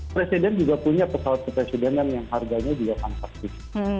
presiden juga punya pesawat kepresidenan yang harganya juga fantastis